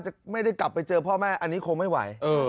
จะไม่ได้กลับไปเจอพ่อแม่อันนี้คงไม่ไหว